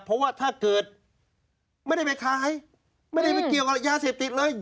เพราะว่าถ้าเกิดไม่ได้ไปขายไม่ได้ไปเกี่ยวกับยาเสพติดเลย